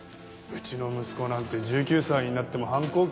うちの息子なんて１９歳になっても反抗期ですよ。